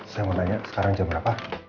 saya mau nanya sekarang jam berapa